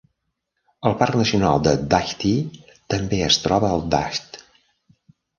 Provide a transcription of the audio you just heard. El parc nacional de Dajti també es troba al Dajt.